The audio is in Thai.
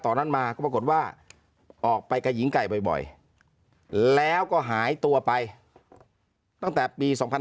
ตอนนั้นมาก็ปรากฏว่าออกไปกับหญิงไก่บ่อยแล้วก็หายตัวไปตั้งแต่ปี๒๕๕๙